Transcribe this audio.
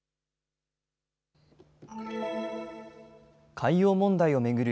海洋問題を巡る